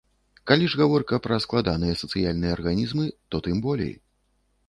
Калі ж гаворка пра складаныя сацыяльныя арганізмы, то тым болей.